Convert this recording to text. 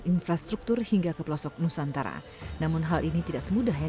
di masyarakat dan memberikan perlindungan keamanan